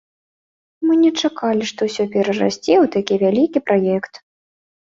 Мы не чакалі, што ўсё перарасце ў такі вялікі праект.